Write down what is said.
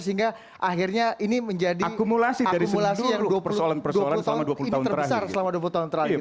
sehingga akhirnya ini menjadi akumulasi yang dua puluh tahun terakhir